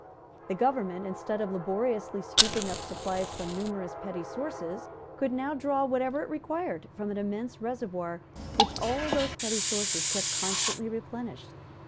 The government, instead of laboriously scooping up supplies from numerous petty sources, could now draw whatever it required from an immense reservoir, which all those petty sources kept constantly replenished.